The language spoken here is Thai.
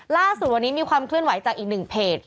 ล่าสุดวันนี้มีความเคลื่อนไหวจากอีกหนึ่งเพจ